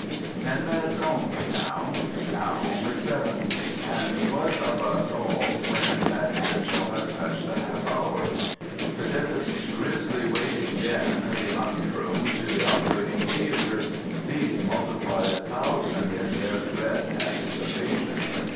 Ten minutes only now. Now only seven. And what of us all when that hand shall have touched Digitized by "THE GOOD SOLDIER" 145 the half hour ...? The dentist's grisly waiting den, the ante room to the operating theater — these multiplied a thousandfold in their dread anticipa tion.